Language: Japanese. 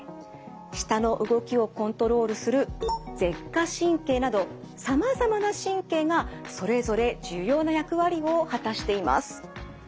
舌の動きをコントロールする「舌下神経」などさまざまな神経がそれぞれ重要な役割を果たしています。